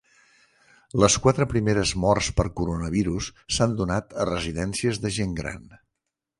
Les quatre primeres morts per coronavirus s'han donat a residències de gent gran